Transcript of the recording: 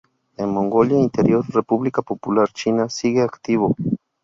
En Mongolia Interior, República Popular China sigue activo.